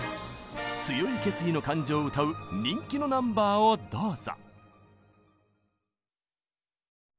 強い決意の感情を歌う人気のナンバーをどうぞ！